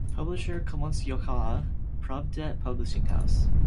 Publisher Komsomolskaya Pravda Publishing House.